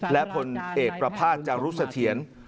และผลเอกประภาษณจารุเสถียร